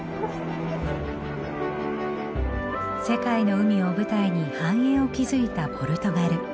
世界の海を舞台に繁栄を築いたポルトガル。